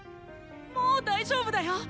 もう大丈夫だよ！